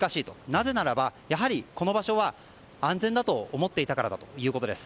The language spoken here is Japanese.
なぜならばやはりこの場所は安全だと思っていたからだということです。